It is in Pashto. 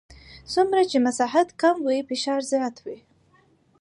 څومره چې مساحت کم وي فشار زیات وي.